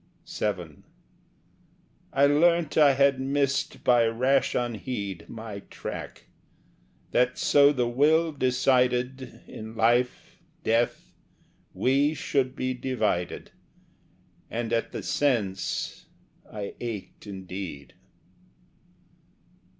VII I learnt I had missed, by rash unheed, My track; that, so the Will decided, In life, death, we should be divided, And at the sense I ached indeed.